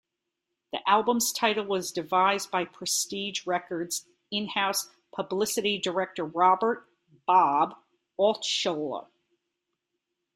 The album's title was devised by Prestige Records' in-house publicity director Robert "Bob" Altshuler.